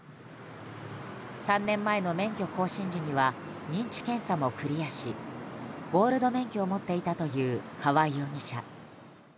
３年前の免許更新時には認知検査もクリアしゴールド免許を持っていたという川合容疑者。